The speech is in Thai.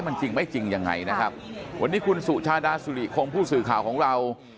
มันจริงไม่จริงยังไงนะครับวันนี้คุณสุชาดาสุริคงผู้สื่อข่าวของเรา